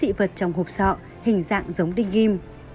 chín dị vật trong hộp sọ hình dạng giống đinh ghim